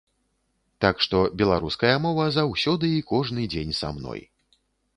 Так што беларуская мова заўсёды і кожны дзень са мной.